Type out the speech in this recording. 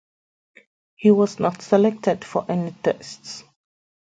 He was not selected for any Tests.